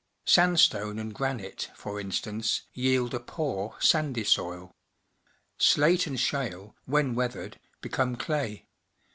Sandstone and granite, for instance, yield a poor, sandy soil. Slate and shale, when weathered, become clay.